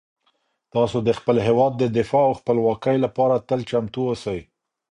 تاسو د خپل هیواد د دفاع او خپلواکۍ لپاره تل چمتو اوسئ.